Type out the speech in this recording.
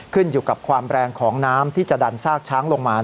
ขึ้นอยู่กับความแรงของน้ำที่จะดันซากช้างลงมา